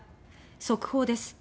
速報です。